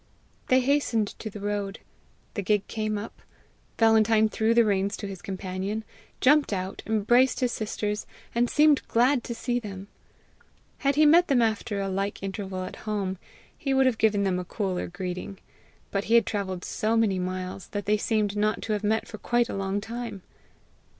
They hastened to the road. The gig came up. Valentine threw the reins to his companion, jumped out, embraced his sisters, and seemed glad to see them. Had he met them after a like interval at home, he would have given them a cooler greeting; but he had travelled so many miles that they seemed not to have met for quite a long time.